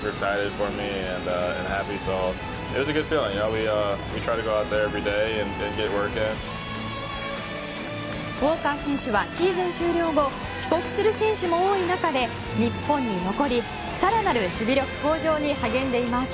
ウォーカー選手はシーズン終了後帰国する選手も多い中で日本に残り更なる守備力向上に励んでいます。